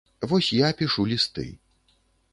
Вось я пішу лісты.